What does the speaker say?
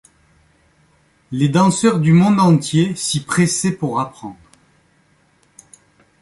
Les danseurs du monde entier s'y pressaient pour apprendre.